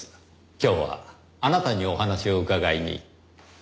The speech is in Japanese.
今日はあなたにお話を伺いに。